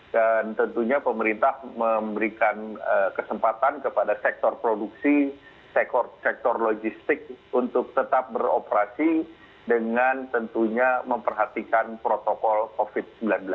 dan tentunya pemerintah memberikan kesempatan kepada sektor produksi sektor logistik untuk tetap beroperasi dengan tentunya memperhatikan protokol covid sembilan belas